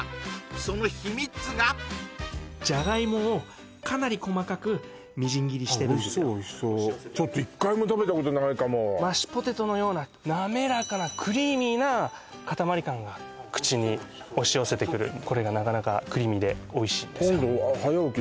その秘密がジャガイモをかなり細かくみじん切りしてるんですよああおいしそうおいしそう１回も食べたことないかもマッシュポテトのようななめらかなクリーミーな塊感が口に押し寄せてくるこれがなかなかクリーミーでおいしいんですよ